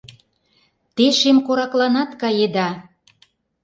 Те шемкоракланат каеда!